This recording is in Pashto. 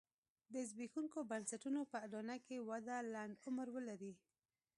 د زبېښونکو بنسټونو په اډانه کې وده لنډ عمر ولري.